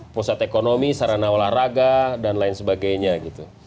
pusat ekonomi sarana olahraga dan lain sebagainya gitu